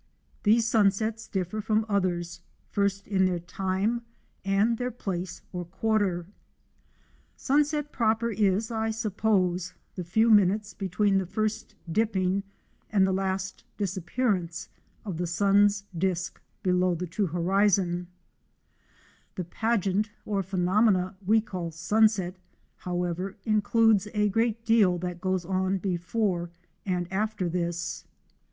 These sunsets differ from others, first in their time and their place or quarter. Sunset proper is, I suppose, the few minutes between the first dipping and the last disappearance of the sun's disk below the true horizen ; the pageant or phenomena we call sunset, however, includes a great deal that goes on before and after this.